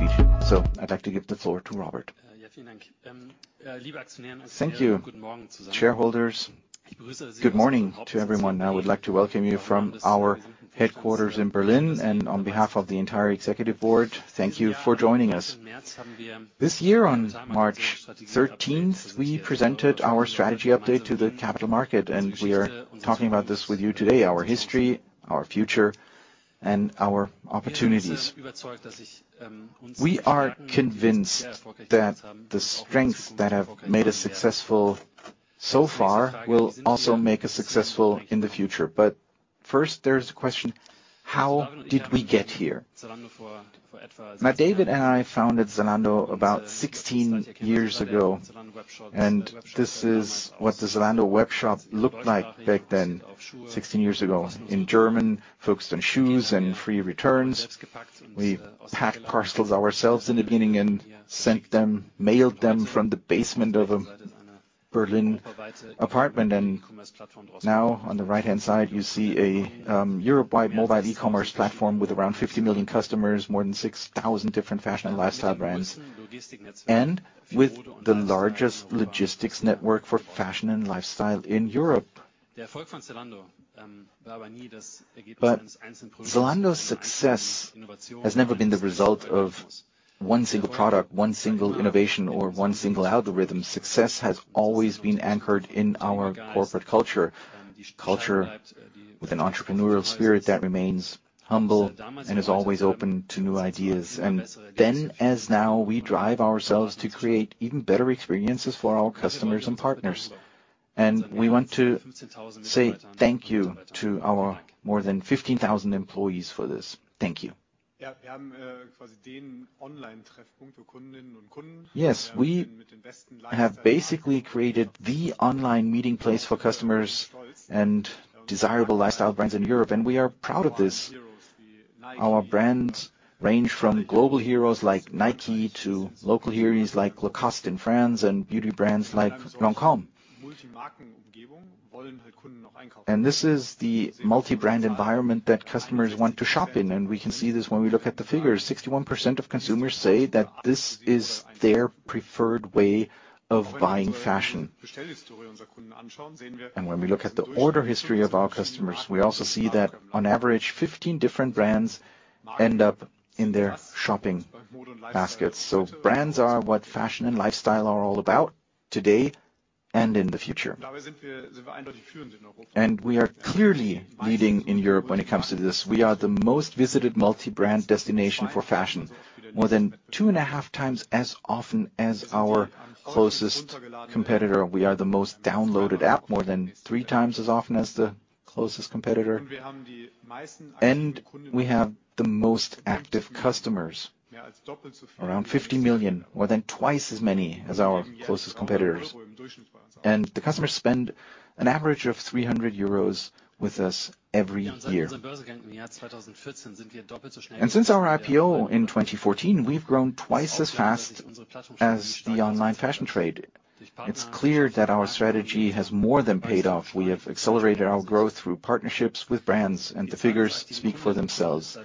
our speech. So I'd like to give the floor to Robert. Thank you, shareholders. Good morning to everyone. I would like to welcome you from our headquarters in Berlin, and on behalf of the entire executive board, thank you for joining us. This year, on March 13th, we presented our strategy update to the capital market, and we are talking about this with you today: our history, our future, and our opportunities. We are convinced that the strengths that have made us successful so far will also make us successful in the future. But first, there's a question: How did we get here? Now, David and I founded Zalando about 16 years ago, and this is what the Zalando webshop looked like back then, 16 years ago, in German, focused on shoes and free returns. We packed parcels ourselves in the beginning and sent them, mailed them from the basement of a Berlin apartment. Now, on the right-hand side, you see a Europe-wide mobile e-commerce platform with around 50 million customers, more than 6,000 different fashion and lifestyle brands, and with the largest logistics network for fashion and lifestyle in Europe. But Zalando's success has never been the result of one single product, one single innovation, or one single algorithm. Success has always been anchored in our corporate culture. Culture with an entrepreneurial spirit that remains humble and is always open to new ideas. And then, as now, we drive ourselves to create even better experiences for our customers and partners. And we want to say thank you to our more than 15,000 employees for this. Thank you. Yes, we have basically created the online meeting place for customers and desirable lifestyle brands in Europe, and we are proud of this. Our brands range from global heroes like Nike to local heroes like Lacoste in France and beauty brands like Lancôme. And this is the multi-brand environment that customers want to shop in, and we can see this when we look at the figures. 61% of consumers say that this is their preferred way of buying fashion. And when we look at the order history of our customers, we also see that on average, 15 different brands end up in their shopping baskets. So brands are what fashion and lifestyle are all about, today and in the future. And we are clearly leading in Europe when it comes to this. We are the most visited multi-brand destination for fashion, more than 2.5x as often as our closest competitor. We are the most downloaded app, more than 3 times as often as the closest competitor. We have the most active customers, around 50 million, more than twice as many as our closest competitors. The customers spend an average of 300 euros with us every year. Since our IPO in 2014, we've grown twice as fast as the online fashion trade. It's clear that our strategy has more than paid off. We have accelerated our growth through partnerships with brands, and the figures speak for themselves.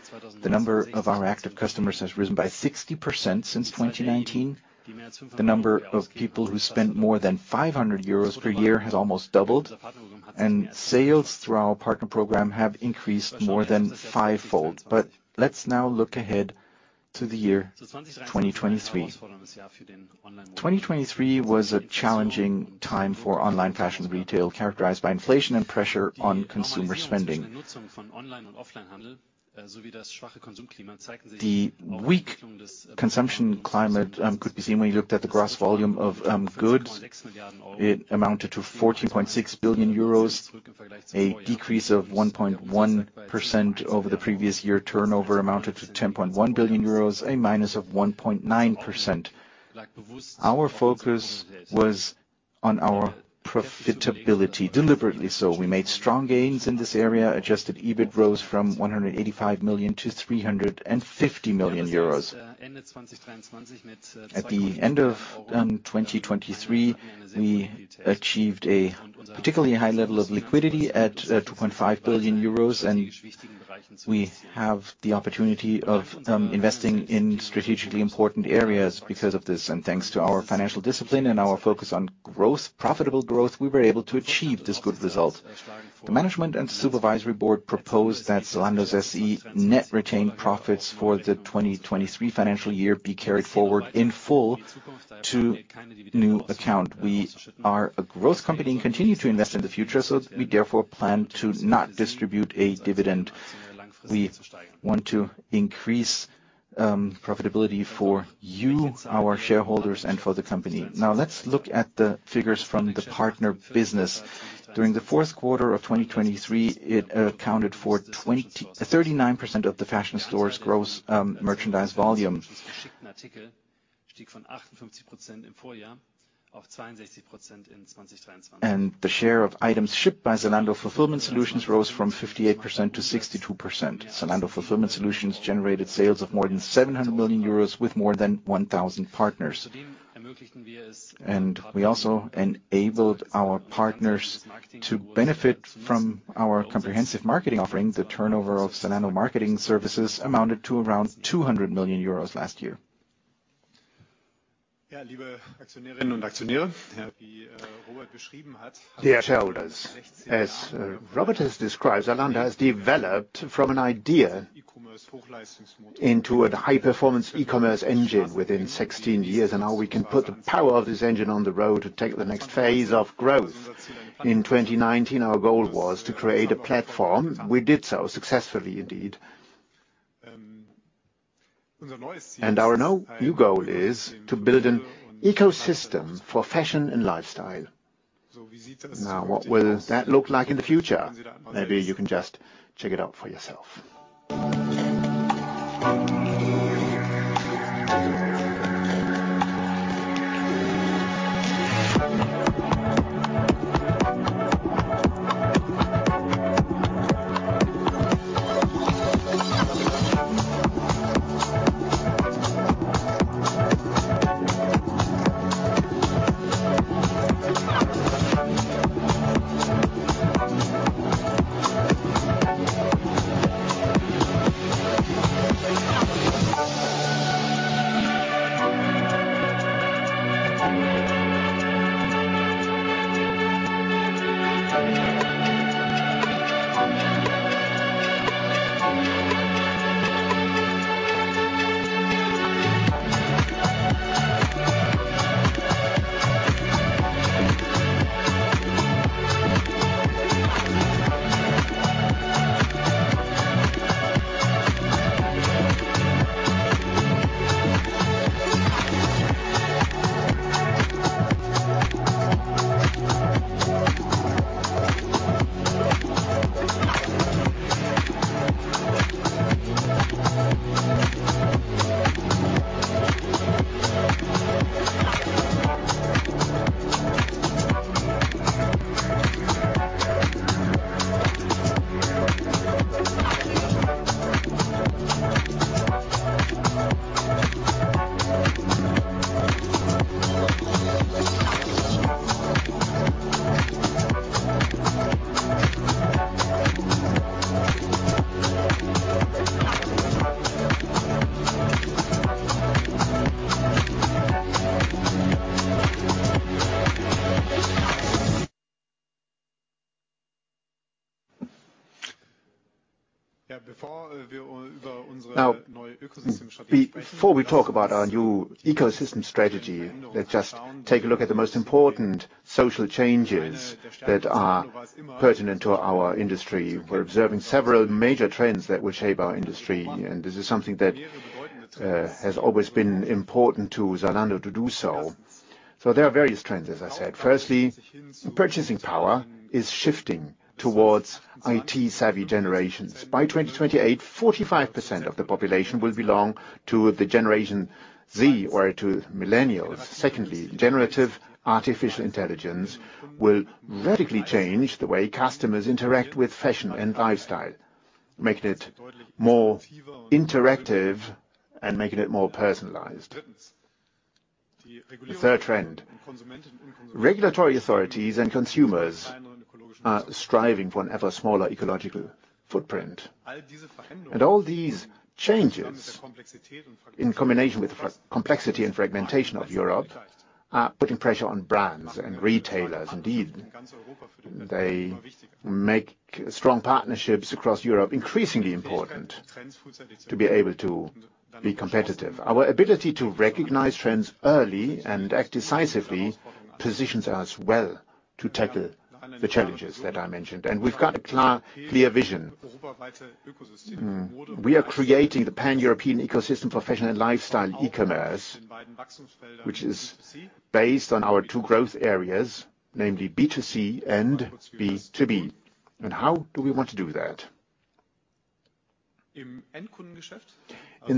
The number of our active customers has risen by 60% since 2019. The number of people who spend more than 500 euros per year has almost doubled, and sales through our partner program have increased more than fivefold. But let's now look ahead to the year 2023. 2023 was a challenging time for online fashion retail, characterized by inflation and pressure on consumer spending. The weak consumption climate could be seen when you looked at the gross volume of goods. It amounted to 14.6 billion euros, a decrease of 1.1% over the previous year. Turnover amounted to 10.1 billion euros, a minus of 1.9%. Our focus was on our profitability, deliberately so. We made strong gains in this area. Adjusted EBIT rose from 185 million to 350 million euros. At the end of 2023, we achieved a particularly high level of liquidity at 2.5 billion euros, and we have the opportunity of investing in strategically important areas because of this. Thanks to our financial discipline and our focus on growth, profitable growth, we were able to achieve this good result. The management and supervisory board proposed that Zalando SE net retained profits for the 2023 financial year be carried forward in full to new account. We are a growth company and continue to invest in the future, so we therefore plan to not distribute a dividend. We want to increase profitability for you, our shareholders, and for the company. Now, let's look at the figures from the partner business. During the fourth quarter of 2023, it accounted for 39% of the fashion store's gross merchandise volume. The share of items shipped by Zalando Fulfillment Solutions rose from 58% to 62%. Zalando Fulfillment Solutions generated sales of more than 700 million euros with more than 1,000 partners. We also enabled our partners to benefit from our comprehensive marketing offering. The turnover of Zalando Marketing Services amounted to around 200 million euros last year. Dear shareholders, as Robert has described, Zalando has developed from an idea into a high-performance e-commerce engine within 16 years, and how we can put the power of this engine on the road to take the next phase of growth. In 2019, our goal was to create a platform. We did so successfully, indeed. And our now new goal is to build an ecosystem for fashion and lifestyle. Now, what will that look like in the future? Maybe you can just check it out for yourself. Now, before we talk about our new ecosystem strategy, let's just take a look at the most important social changes that are pertinent to our industry. We're observing several major trends that will shape our industry, and this is something that has always been important to Zalando to do so. So there are various trends, as I said. Firstly, purchasing power is shifting towards IT-savvy generations. By 2028, 45% of the population will belong to the Generation Z or to Millennials. Secondly, generative artificial intelligence will radically change the way customers interact with fashion and lifestyle, making it more interactive and making it more personalized. The third trend, regulatory authorities and consumers are striving for an ever smaller ecological footprint. And all these changes, in combination with the complexity and fragmentation of Europe, are putting pressure on brands and retailers. Indeed, they make strong partnerships across Europe increasingly important to be able to be competitive. Our ability to recognize trends early and act decisively, positions us well to tackle the challenges that I mentioned, and we've got a clear vision. We are creating the pan-European ecosystem for fashion and lifestyle e-commerce, which is based on our two growth areas, namely B2C and B2B. And how do we want to do that? In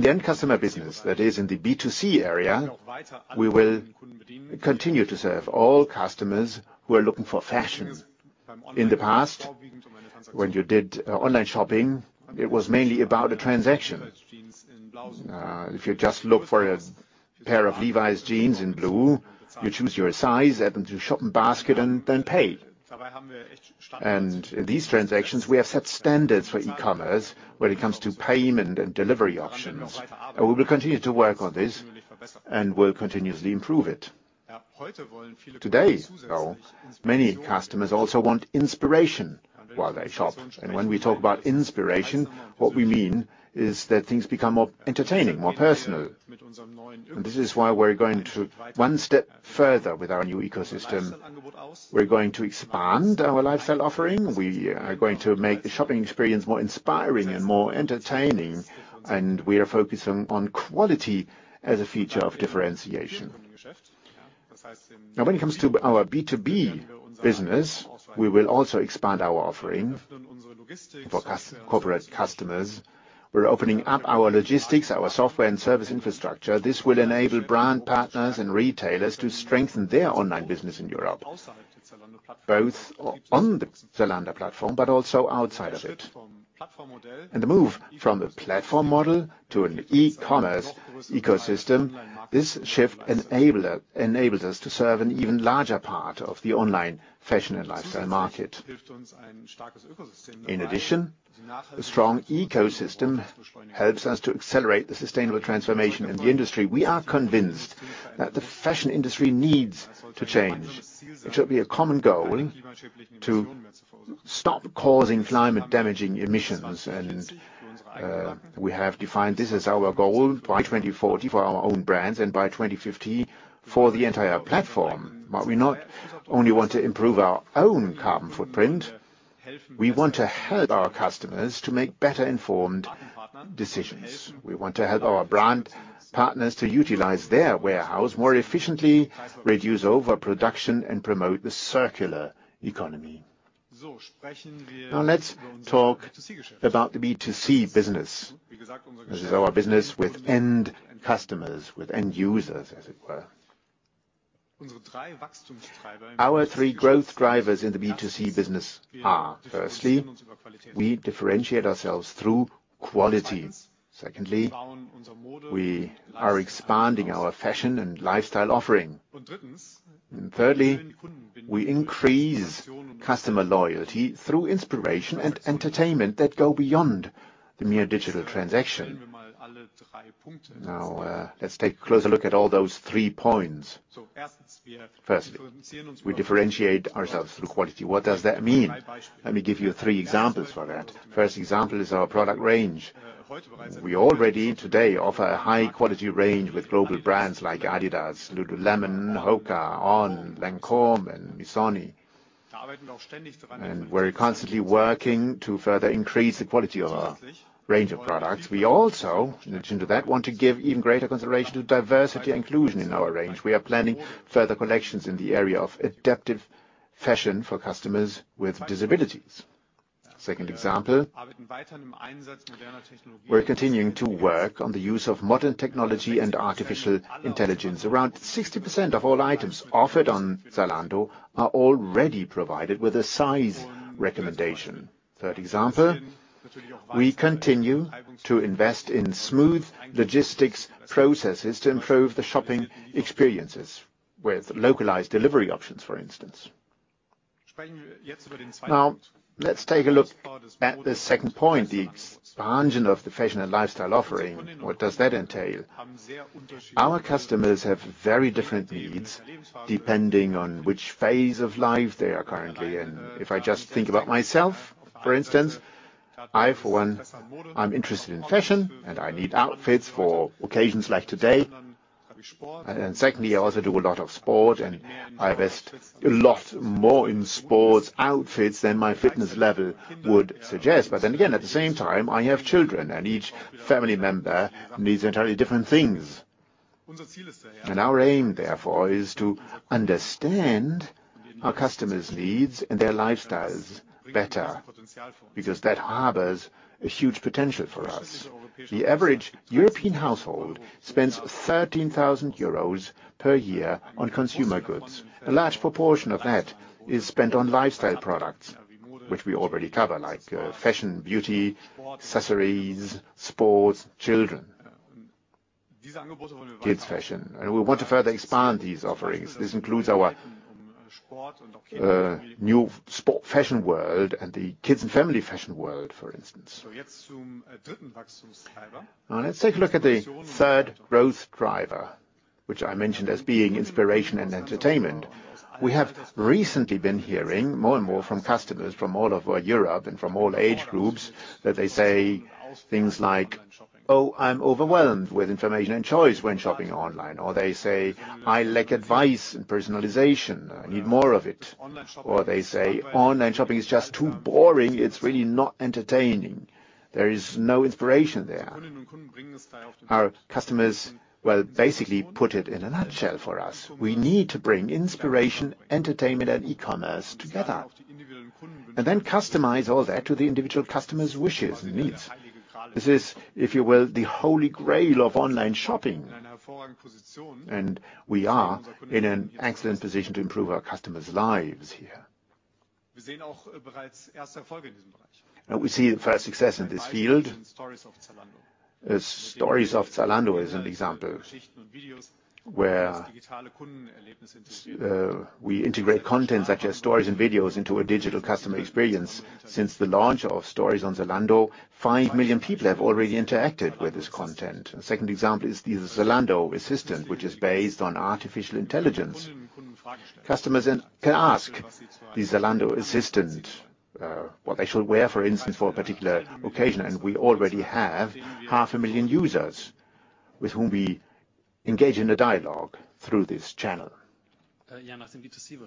the end customer business, that is, in the B2C area, we will continue to serve all customers who are looking for fashion. In the past, when you did online shopping, it was mainly about a transaction. If you just look for a pair of Levi's jeans in blue, you choose your size, add them to shopping basket and then pay. And in these transactions, we have set standards for e-commerce when it comes to payment and delivery options. And we will continue to work on this and will continuously improve it. Today, though, many customers also want inspiration while they shop. And when we talk about inspiration, what we mean is that things become more entertaining, more personal. And this is why we're going to one step further with our new ecosystem. We're going to expand our lifestyle offering. We are going to make the shopping experience more inspiring and more entertaining, and we are focusing on quality as a feature of differentiation. Now, when it comes to our B2B business, we will also expand our offering for corporate customers. We're opening up our logistics, our software and service infrastructure. This will enable brand partners and retailers to strengthen their online business in Europe, both on the Zalando platform, but also outside of it. The move from the platform model to an e-commerce ecosystem, this shift enabler, enables us to serve an even larger part of the online fashion and lifestyle market. In addition, a strong ecosystem helps us to accelerate the sustainable transformation in the industry. We are convinced that the fashion industry needs to change. It should be a common goal to stop causing climate-damaging emissions, and we have defined this as our goal by 2040 for our own brands, and by 2050 for the entire platform. But we not only want to improve our own carbon footprint, we want to help our customers to make better-informed decisions. We want to help our brand partners to utilize their warehouse more efficiently, reduce overproduction, and promote the circular economy. Now let's talk about the B2C business. This is our business with end customers, with end users, as it were. Our three growth drivers in the B2C business are: firstly, we differentiate ourselves through quality. Secondly, we are expanding our fashion and lifestyle offering. And thirdly, we increase customer loyalty through inspiration and entertainment that go beyond the mere digital transaction. Now, let's take a closer look at all those three points. Firstly, we differentiate ourselves through quality. What does that mean? Let me give you three examples for that. First example is our product range. We already today offer a high-quality range with global brands like Adidas, Lululemon, Hoka, On, Lancôme, and Missoni. We're constantly working to further increase the quality of our range of products. We also, in addition to that, want to give even greater consideration to diversity and inclusion in our range. We are planning further collections in the area of adaptive fashion for customers with disabilities. Second example, we're continuing to work on the use of modern technology and artificial intelligence. Around 60% of all items offered on Zalando are already provided with a size recommendation. Third example, we continue to invest in smooth logistics processes to improve the shopping experiences with localized delivery options, for instance. Now, let's take a look at the second point, the expansion of the fashion and lifestyle offering. What does that entail? Our customers have very different needs, depending on which phase of life they are currently in. If I just think about myself, for instance, I, for one, I'm interested in fashion, and I need outfits for occasions like today. Secondly, I also do a lot of sport, and I invest a lot more in sports outfits than my fitness level would suggest. Then again, at the same time, I have children, and each family member needs entirely different things. Our aim, therefore, is to understand our customers' needs and their lifestyles better, because that harbors a huge potential for us. The average European household spends 13,000 euros per year on consumer goods. A large proportion of that is spent on lifestyle products, which we already cover, like, fashion, beauty, accessories, sports, children, kids' fashion. And we want to further expand these offerings. This includes our, new sport fashion world and the kids and family fashion world, for instance. Now let's take a look at the third growth driver, which I mentioned as being inspiration and entertainment. We have recently been hearing more and more from customers from all over Europe and from all age groups, that they say things like, "Oh, I'm overwhelmed with information and choice when shopping online." Or they say, "I lack advice and personalization. I need more of it." Or they say, "Online shopping is just too boring. It's really not entertaining. There is no inspiration there." Our customers, well, basically put it in a nutshell for us. We need to bring inspiration, entertainment, and e-commerce together, and then customize all that to the individual customer's wishes and needs. This is, if you will, the holy grail of online shopping, and we are in an excellent position to improve our customers' lives here. We see the first success in this field. Stories on Zalando is an example, where we integrate content such as stories and videos into a digital customer experience. Since the launch of Stories on Zalando, 5 million people have already interacted with this content. The second example is the Zalando Assistant, which is based on artificial intelligence. Customers can ask the Zalando Assistant what they should wear, for instance, for a particular occasion, and we already have 500,000 users with whom we engage in a dialogue through this channel. Now, let's move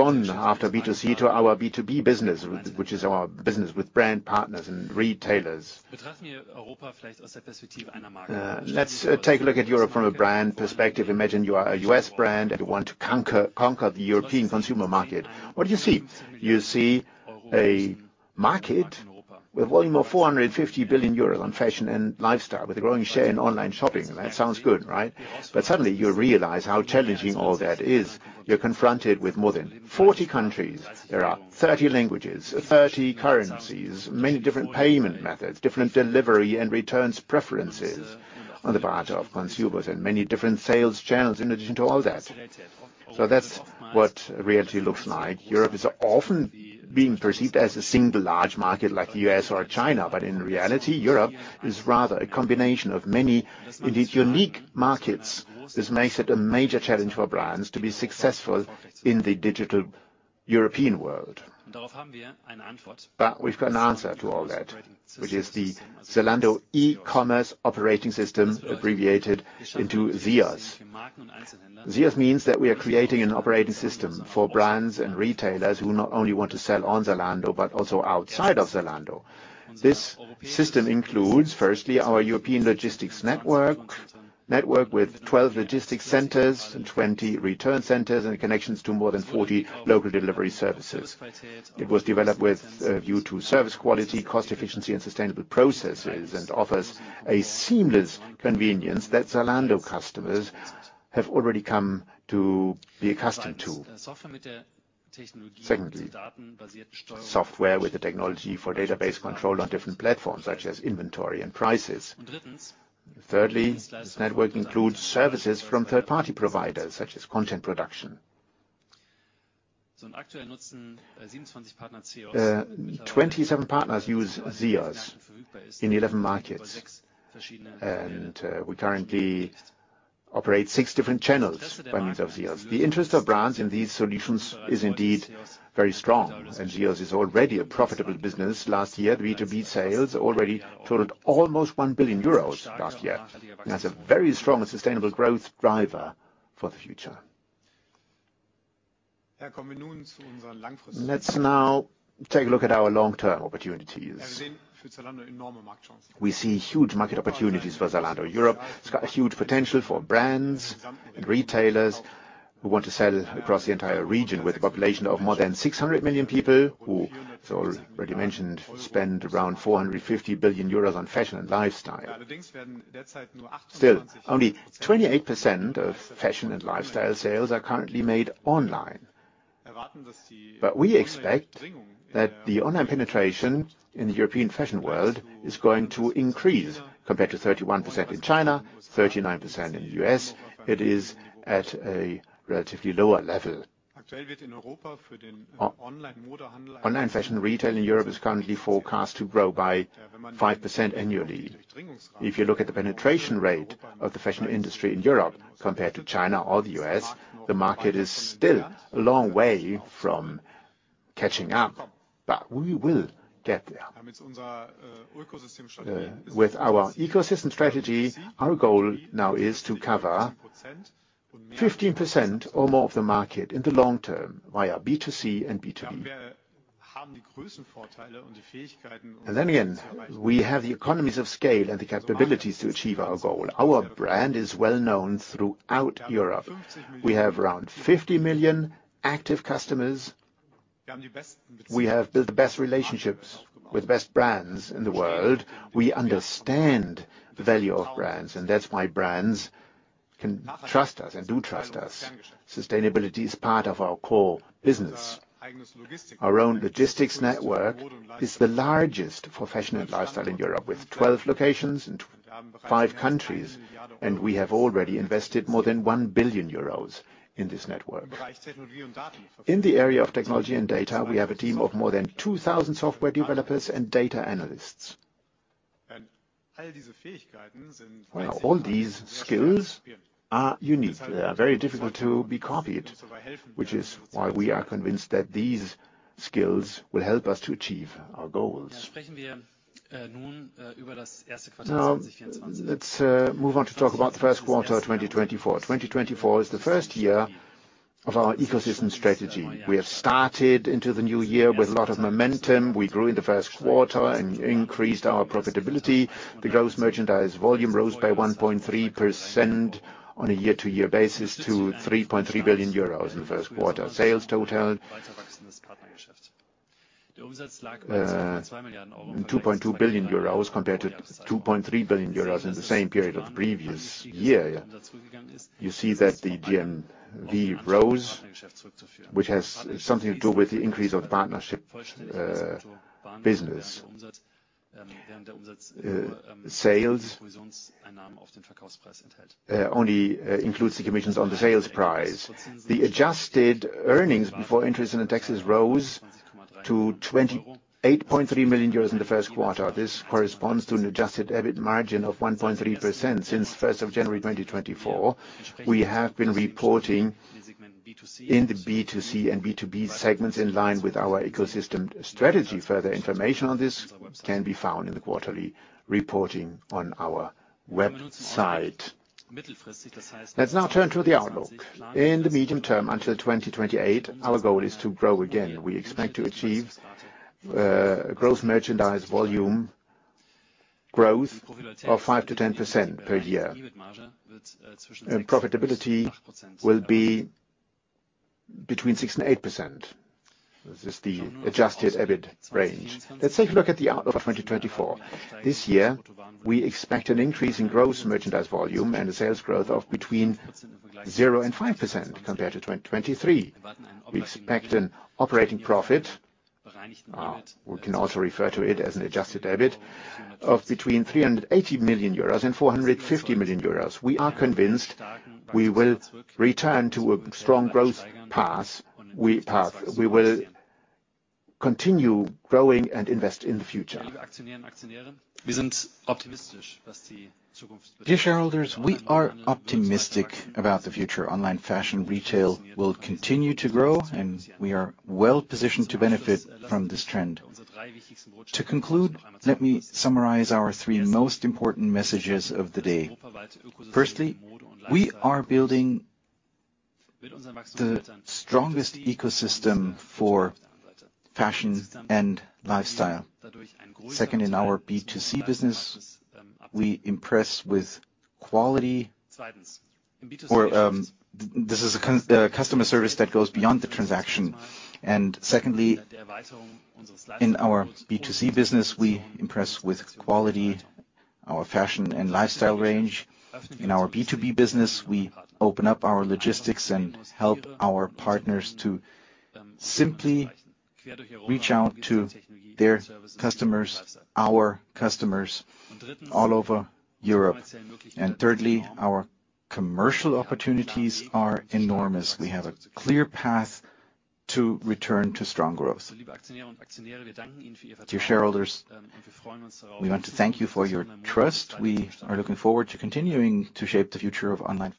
on after B2C to our B2B business, which is our business with brand partners and retailers. Let's take a look at Europe from a brand perspective. Imagine you are a U.S. brand, and you want to conquer the European consumer market. What do you see? You see a market with a volume of 450 billion euros on fashion and lifestyle, with a growing share in online shopping, that sounds good, right? But suddenly you realize how challenging all that is. You're confronted with more than 40 countries. There are 30 languages, 30 currencies, many different payment methods, different delivery and returns preferences on the part of consumers, and many different sales channels in addition to all that. So that's what reality looks like. Europe is often being perceived as a single large market, like the U.S. or China, but in reality, Europe is rather a combination of many, indeed, unique markets. This makes it a major challenge for brands to be successful in the digital European world. But we've got an answer to all that, which is the Zalando E-commerce Operating System, abbreviated into ZEOS. ZEOS means that we are creating an operating system for brands and retailers who not only want to sell on Zalando, but also outside of Zalando. This system includes, firstly, our European logistics network with 12 logistics centers and 20 return centers, and connections to more than 40 local delivery services. It was developed with a view to service quality, cost efficiency, and sustainable processes, and offers a seamless convenience that Zalando customers have already come to be accustomed to. Secondly, software with the technology for database control on different platforms, such as inventory and prices. Thirdly, this network includes services from third-party providers, such as content production. 27 partners use ZEOS in 11 markets, and we currently operate six different channels by means of ZEOS. The interest of brands in these solutions is indeed very strong, and ZEOS is already a profitable business. Last year, the B2B sales already totaled almost 1 billion euros last year, and that's a very strong and sustainable growth driver for the future. Let's now take a look at our long-term opportunities. We see huge market opportunities for Zalando. Europe has got a huge potential for brands and retailers who want to sell across the entire region, with a population of more than 600 million people, who, as already mentioned, spend around 450 billion euros on fashion and lifestyle. Still, only 28% of fashion and lifestyle sales are currently made online. But we expect that the online penetration in the European fashion world is going to increase. Compared to 31% in China, 39% in the U.S., it is at a relatively lower level. Online fashion retail in Europe is currently forecast to grow by 5% annually. If you look at the penetration rate of the fashion industry in Europe compared to China or the U.S., the market is still a long way from catching up, but we will get there. With our ecosystem strategy, our goal now is to cover 15% or more of the market in the long term via B2C and B2B. And then again, we have the economies of scale and the capabilities to achieve our goal. Our brand is well known throughout Europe. We have around 50 million active customers. We have built the best relationships with the best brands in the world. We understand the value of brands, and that's why brands can trust us and do trust us. Sustainability is part of our core business. Our own logistics network is the largest for fashion and lifestyle in Europe, with 12 locations in 5 countries, and we have already invested more than 1 billion euros in this network. In the area of technology and data, we have a team of more than 2,000 software developers and data analysts. Now, all these skills are unique. They are very difficult to be copied, which is why we are convinced that these skills will help us to achieve our goals. Now, let's move on to talk about the first quarter of 2024. 2024 is the first year of our ecosystem strategy. We have started into the new year with a lot of momentum. We grew in the first quarter and increased our profitability. The gross merchandise volume rose by 1.3% on a year-to-year basis to 3.3 billion euros in the first quarter. Sales totaled 2.2 billion euros, compared to 2.3 billion euros in the same period of the previous year. You see that the GMV rose, which has something to do with the increase of partnership business. Sales only includes the commissions on the sales price. The adjusted earnings before interest and taxes rose to 28.3 million euros in the first quarter. This corresponds to an Adjusted EBIT margin of 1.3%. Since first of January 2024, we have been reporting in the B2C and B2B segments, in line with our ecosystem strategy. Further information on this can be found in the quarterly reporting on our website. Let's now turn to the outlook. In the medium term, until 2028, our goal is to grow again. We expect to achieve a gross merchandise volume-... growth of 5%-10% per year. Profitability will be between 6% and 8%. This is the adjusted EBIT range. Let's take a look at the outlook for 2024. This year, we expect an increase in gross merchandise volume and a sales growth of between 0% and 5% compared to 2023. We expect an operating profit, we can also refer to it as an Adjusted EBIT, of between 380 million euros and 450 million euros. We are convinced we will return to a strong growth path. We will continue growing and invest in the future. Dear shareholders, we are optimistic about the future. Online fashion retail will continue to grow, and we are well positioned to benefit from this trend. To conclude, let me summarize our three most important messages of the day. Firstly, we are building the strongest ecosystem for fashion and lifestyle. Second, in our B2C business, we impress with quality customer service that goes beyond the transaction. And secondly, in our B2C business, we impress with quality, our fashion and lifestyle range. In our B2B business, we open up our logistics and help our partners to simply reach out to their customers, our customers, all over Europe. And thirdly, our commercial opportunities are enormous. We have a clear path to return to strong growth. Dear shareholders, we want to thank you for your trust. We are looking forward to continuing to shape the future of online fashion.